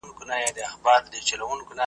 یو سکندر سي بل چنګیز بل یې هټلر سي .